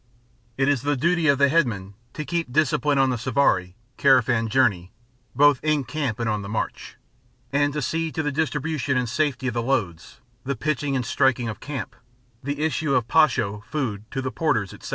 It is the duty of the Headman to keep discipline on the safari (caravan journey), both in camp and on the march, and to see to the distribution and safety of the loads, the pitching and striking of camp, the issue of posho (food) to the porters, etc.